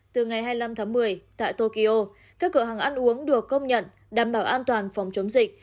từ ngày hai mươi năm tháng một mươi tại tokyo các cửa hàng ăn uống được công nhận đảm bảo an toàn phòng chống dịch